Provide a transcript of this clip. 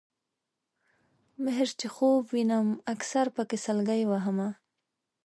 مِهر چې خوب وینم اکثر پکې سلګۍ وهمه